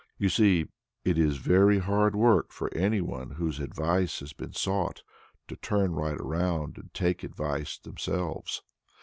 You see, it is very hard work for any one whose advice has been sought to turn right around and take advice themselves.